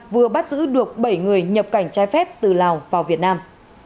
vừa bắt giữ được bảy người nhập cảnh trái phép từ lào vào việt nam